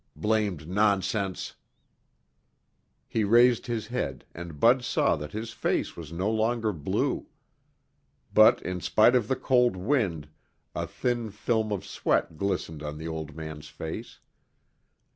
Blamed nonsense!" He raised his head and Bud saw that his face was no longer blue. But in spite of the cold wind, a thin film of sweat glistened on the old man's face.